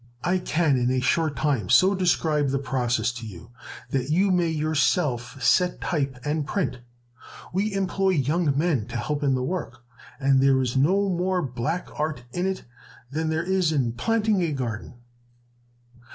I can in a short time so describe the process to you that you may yourself set type and print. We employ young men to help in the work, and there is no more black art in it than there is in planting a garden.